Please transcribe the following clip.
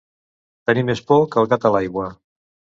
Tenir més por que el gat a l'aigua.